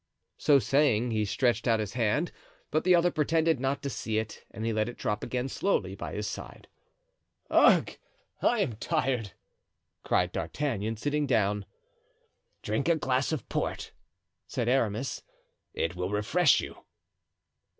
So saying, he stretched out his hand, but the other pretended not to see it and he let it drop again slowly by his side. "Ugh! I am tired," cried D'Artagnan, sitting down. "Drink a glass of port," said Aramis; "it will refresh you."